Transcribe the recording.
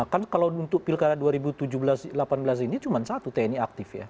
kan kalau untuk pilkada dua ribu delapan belas ini cuma satu tni aktif ya